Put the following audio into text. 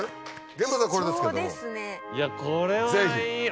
現物はこれですけどもぜひ。